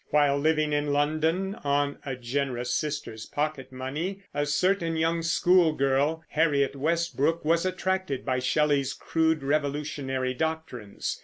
While living in London, on a generous sister's pocket money, a certain young schoolgirl, Harriet Westbrook, was attracted by Shelley's crude revolutionary doctrines.